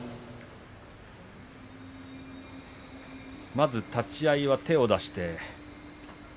まず立ち合いは手を出して。